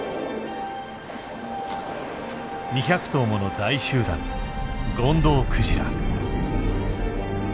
２００頭もの大集団ゴンドウクジラ。